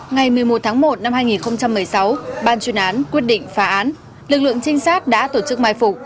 ngày một mươi một tháng một năm hai nghìn một mươi sáu ban chuyên án quyết định phá án lực lượng trinh sát đã tổ chức mai phục